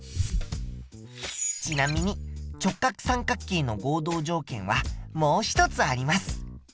ちなみに直角三角形の合同条件はもう一つあります。